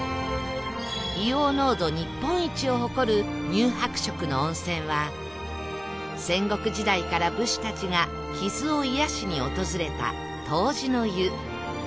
硫黄濃度日本一を誇る乳白色の温泉は戦国時代から武士たちが傷を癒やしに訪れた湯治の湯